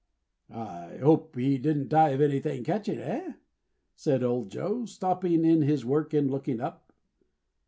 "I hope he didn't die of anything catching? Eh?" said old Joe, stopping in his work, and looking up.